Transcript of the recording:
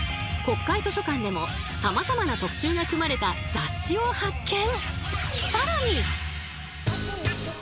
国会図書館でもさまざまな特集が組まれた雑誌を発見。